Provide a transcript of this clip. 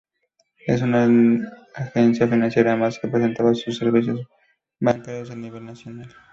Es una agencia financiera más que prestaba sus servicios bancarios a nivel nacional.